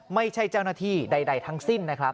ไม่ใช่เจ้าหน้าที่ใดทั้งสิ้นนะครับ